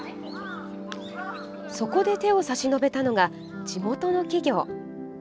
そこで手を差し伸べたのが地元の企業。